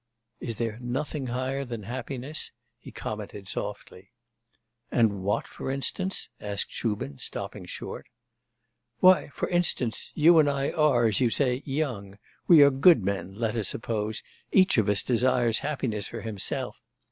'Is there nothing higher than happiness?' he commented softly. 'And what, for instance?' asked Shubin, stopping short. 'Why, for instance, you and I are, as you say, young; we are good men, let us suppose; each of us desires happiness for himself....